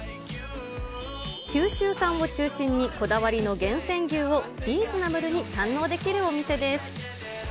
九州産を中心に、こだわりの厳選牛をリーズナブルに堪能できるお店です。